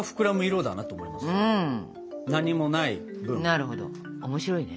なるほど面白いね。